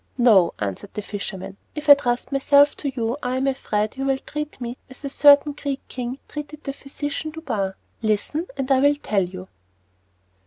"No," answered the fisherman, "if I trust myself to you I am afraid you will treat me as a certain Greek king treated the physician Douban. Listen, and I will tell you."